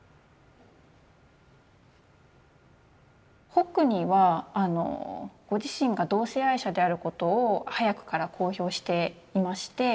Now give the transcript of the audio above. ホックニーはご自身が同性愛者であることを早くから公表していまして。